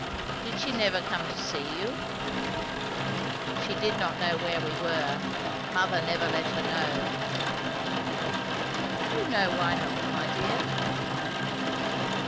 "Did she never come to see you?" "She did not know where we were. Mother never let her know." "Do you know why not, my dear?"